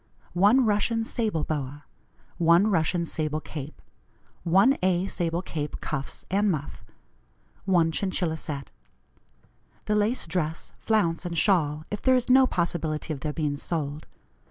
1 Russian sable boa. 1 Russian sable cape. 1 A. sable cape, cuffs and muff. 1 Chinchilla set. "The lace dress, flounce, and shawl, if there is no possibility of their being sold.